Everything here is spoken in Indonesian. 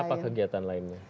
apa kegiatan lainnya